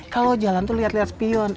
kalo jalan tuh liat liat spion